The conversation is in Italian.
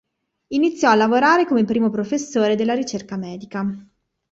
Iniziò a lavorare come Primo professore della ricerca medica.